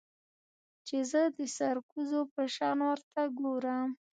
چې زه د سرکوزو په شان ورته گورم.